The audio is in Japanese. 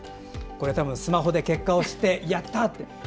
スマホで結果を知ってやったー！と。